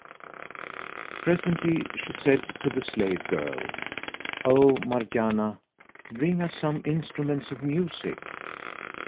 Presently she said to the slave girl, "O Marjanah[FN#188]! bring us some instruments of music!"